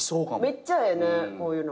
めっちゃええねこういうの。